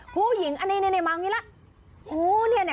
ผู้หญิงอันนี้มาอยู่นี่ล่ะ